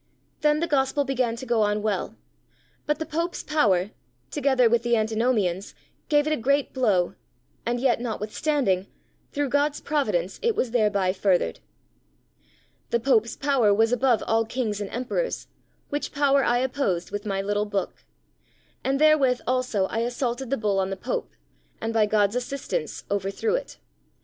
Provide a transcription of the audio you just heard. Then the Gospel began to go on well, but the Pope's power, together with the Antinomians, gave it a great blow, and yet, notwithstanding, through God's Providence, it was thereby furthered. The Pope's power was above all Kings and Emperors, which power I opposed with my little book; and therewith also I assaulted the Bull on the Pope, and, by God's assistance, overthrew it.